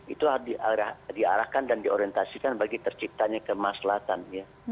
itu harus diarahkan dan diorientasikan bagi terciptanya kemaslatan ya